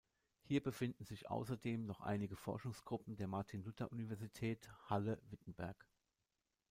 Hier befinden sich außerdem noch einige Forschungsgruppen der Martin-Luther-Universität Halle-Wittenberg.